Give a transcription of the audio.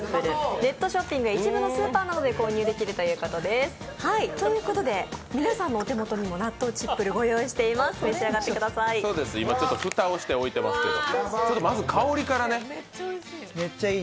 ネットショッピングや一部のスーパーなどで購入できるということです。ということで、皆さんのお手元にも納豆チップルご用意していますので、お召し上がりください。